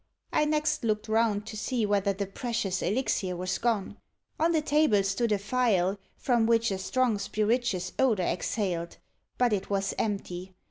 I next looked round to see whether the precious elixir was gone. On the table stood a phial, from which a strong spirituous odour exhaled; but it was empty.